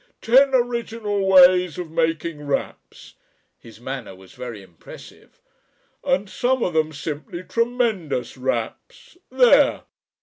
Ten original ways of making raps." His manner was very impressive. "And some of them simply tremendous raps. There!"